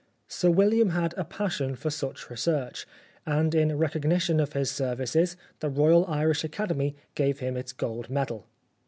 Sir W.Uiam had a passion for such research ; and in recognition of his services the Royal Irish Academy gave him its gold medal."